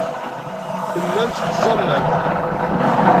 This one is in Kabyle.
Tellamt tettẓallamt.